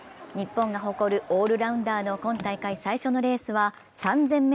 日本が誇るオールラウンダーの今大会最初のレースは３０００ｍ。